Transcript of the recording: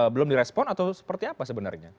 belum direspon atau seperti apa sebenarnya